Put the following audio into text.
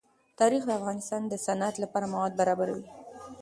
تاریخ د افغانستان د صنعت لپاره مواد برابروي.